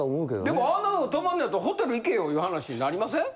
でもあんな風に泊まるんやったらホテル行けよいう話になりません？